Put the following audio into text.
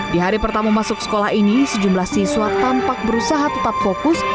di hari pertama masuk sekolah ini sejumlah siswa tampak berusaha tetap fokus